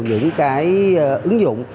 những cái ứng dụng